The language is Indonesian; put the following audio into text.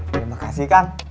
terima kasih kak